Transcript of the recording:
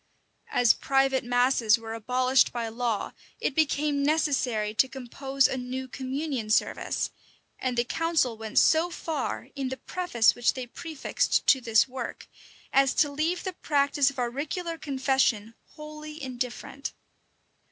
As private masses were abolished by law, it became necessary to compose a new communion service; and the council went so far, in the preface which they prefixed to this work, as to leave the practice of auricular confession wholly indifferent.